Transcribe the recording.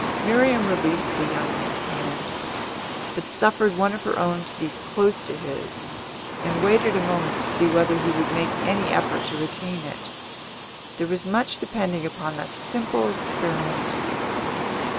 Miriam released the young man's hand, but suffered one of her own to lie close to his, and waited a moment to see whether he would make any effort to retain it. There was much depending upon that simple experiment.